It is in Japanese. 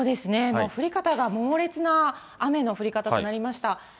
もう降り方が猛烈な雨の降り方となりました。